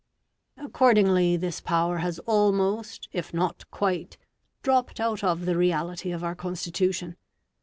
Accordingly this power has almost, if not quite, dropped out of the reality of our Constitution.